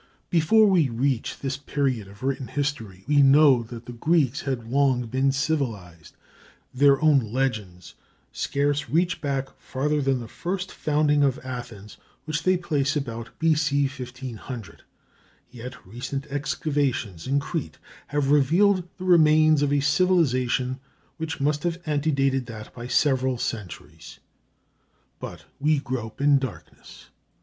Before we reach this period of written history we know that the Greeks had long been civilized. Their own legends scarce reach back farther than the first founding of Athens, which they place about B.C. 1500. Yet recent excavations in Crete have revealed the remains of a civilization which must have antedated that by several centuries. [Footnote 13: See Theseus Founds Athens, page 45.] But we grope in darkness!